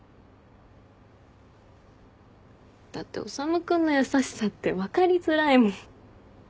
だって修君の優しさって分かりづらいもん。